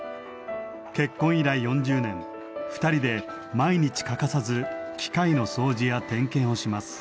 結婚以来４０年２人で毎日欠かさず機械の掃除や点検をします。